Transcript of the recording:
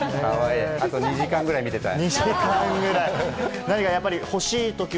あと２時間くらい見ていたい。